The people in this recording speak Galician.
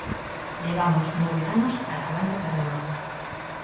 Levamos nove anos agardando que remate.